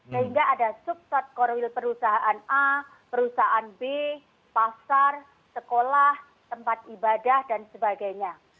sehingga ada sub sub sat core wheel perusahaan a perusahaan b pasar sekolah tempat ibadah dan sebagainya